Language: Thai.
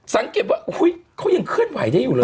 สังเกตว่าเขายังเคลื่อนไหวได้อยู่เหรอ